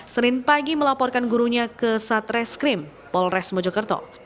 sering pagi melaporkan gurunya ke satres krim polres mojokerto